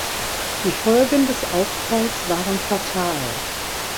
Die Folgen des Aufpralls waren fatal.